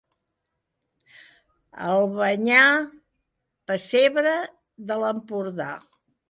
Albanyà, pessebre de l'Empordà.